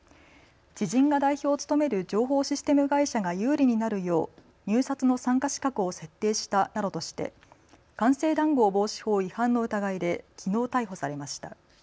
知人が代表を務める情報システム会社が有利になるよう入札の参加資格を設定したなどとして官製談合防止法違反の疑いできのう逮捕されました。